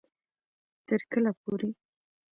تر کله پورې